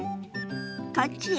こっちよ。